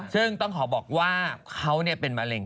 ซึ่งต้องขอบอกว่าเขาเป็นมะเร็ง